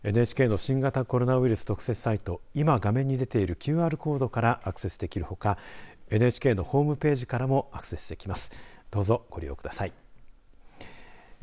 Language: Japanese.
ＮＨＫの新型コロナウイルス特設サイトはいま画面に出ているＱＲコードからアクセスできるほかＮＨＫのホームページからもアクセスできます。